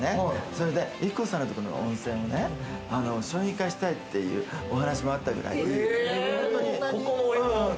それでＩＫＫＯさんとこの温泉ね、商品化したいっていうお話もあったくらい。